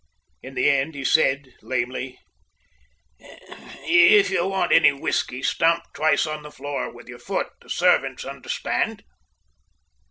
In the end he said lamely: "If you want any whiskey, stamp twice on the floor with your foot. The servants understand."